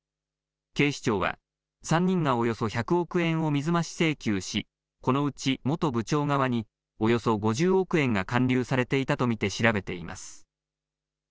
警視庁は３人がおよそ１００億円を水増し請求しこのうち元部長側におよそ５０億円が還流されていたと見て調べています。